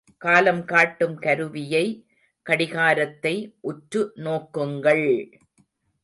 காலம் காட்டும் கருவியை கடிகாரத்தை உற்று நோக்குங்கள்!